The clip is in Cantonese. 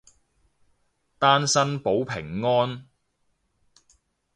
單身保平安